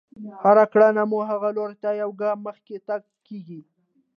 هره کړنه مو هغه لور ته يو ګام مخکې تګ کېږي.